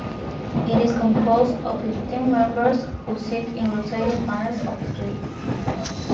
It is composed of fifteen members who sit in rotating panels of three.